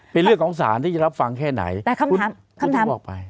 เป็นเรื่องของสารที่จะรับฟังแค่ไหนแต่คำถามบอกไป